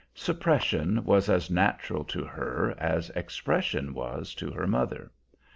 Suppression was as natural to her as expression was to her mother.